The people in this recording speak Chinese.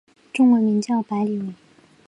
中文名叫白理惟。